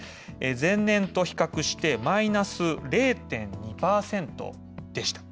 前年と比較して、マイナス０．２％でした。